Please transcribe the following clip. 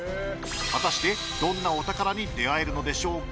果たしてどんなお宝に出会えるのでしょうか。